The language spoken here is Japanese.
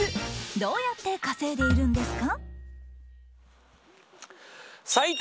どうやって稼いでいるんですか？